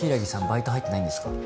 バイト入ってないんですか？